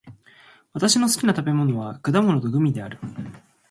私の好きな食べ物は果物とグミである。